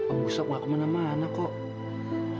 om gustaf gak kemana mana kok